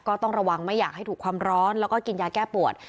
ก็ต้องระวังไม่อยากให้ถูกความร้อนแล้วก็กินยาแก้ปวด